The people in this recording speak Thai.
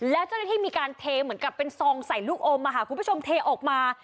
แล้วเจ้าหน้าที่มีการเทเหมือนกับเป็นซองใส่ลูกอมคุณผู้ชมเทออกมา